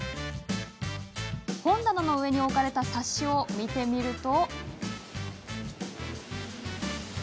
本棚の上に置かれた冊子を見てみると。